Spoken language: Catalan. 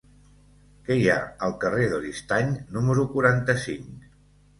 Què hi ha al carrer d'Oristany número quaranta-cinc?